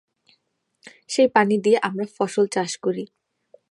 সেই পানি দিয়ে আমরা ফসল চাষ করি।